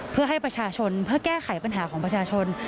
เพื่อให้ประชาชนเพื่อแก้ไขปัญหาของประชาชน